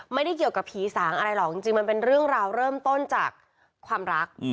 ไม่ได้เกี่ยวกับผีสางอะไรหรอกจริงมันเป็นเรื่องราวเริ่มต้นจากความรัก